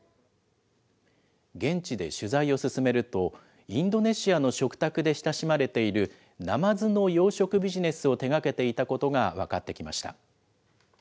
現地で取材を進めると、インドネシアの食卓で親しまれている、ナマズの養殖ビジネスを手がけていたことが分かってきました。